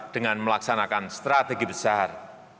dengan melaksanakan strategi besar